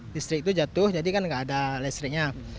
listrik itu jatuh jadi kan nggak ada listriknya